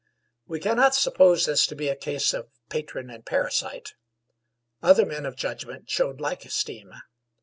We cannot suppose this to be a case of patron and parasite. Other men of judgment showed like esteem.